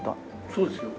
そうですよ。